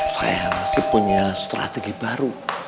saya masih punya strategi baru